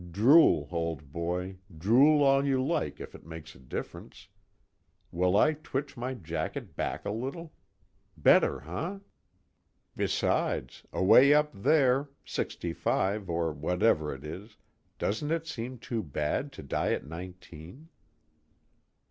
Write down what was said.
Drool, old boy, drool all you like if it makes a difference. Will I twitch my jacket back a little? Better, huh? Besides, away up there, sixty five or whatever it is, doesn't it seem too bad to die at nineteen?